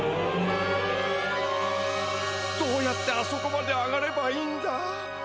どうやってあそこまで上がればいいんだ？